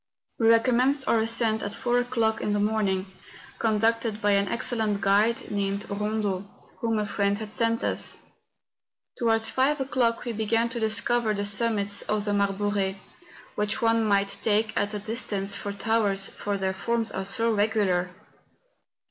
We recommenced our ascent at four o'clock in the morning, conducted by an excellent guide THE BRECHE DE ROLAND. 121 named Rondo, whom a friend had sent us. To¬ wards five o'clock we began to discover the summits of the Marbore, which one might take, at a distance, for towers, for their forms are so regular.